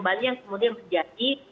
kemudian kemudian menjadi